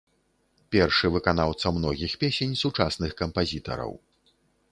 Першы выканаўца многіх песень сучасных кампазітараў.